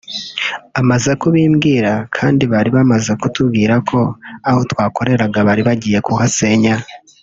Amaze kubimbwira kandi bari bamaze kutubwira ko aho twakoreraga bari bagiye kuhasenya